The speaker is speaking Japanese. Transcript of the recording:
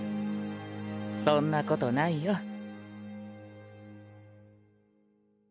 そんなことないよ。